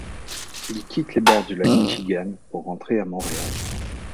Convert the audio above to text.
Il quitte les bords du lac Michigan pour rentrer à Montréal.